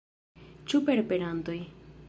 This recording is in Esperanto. Ĉu per perantoj?